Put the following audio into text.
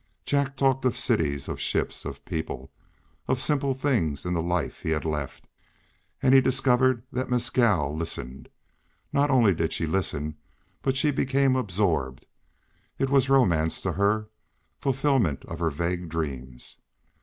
Jack talked of cities, of ships, of people, of simple things in the life he had left, and he discovered that Mescal listened. Not only did she listen; she became absorbed; it was romance to her, fulfilment of her vague dreams.